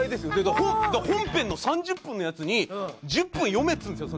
で本編の３０分のやつに１０分読めっつうんですよ